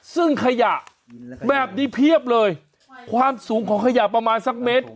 ซึ่งขยะแบบนี้เพียบเลยความสูงของขยะประมาณสักเมตร